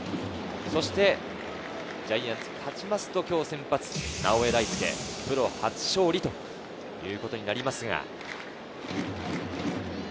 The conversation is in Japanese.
そしてジャイアンツは勝つと今日先発・直江大輔、プロ初勝利ということになります。